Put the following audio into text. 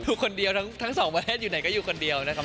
ทุกคนเดียวทั้ง๒บริเวณอยู่ไหนก็อยู่คนเดียวนะครับ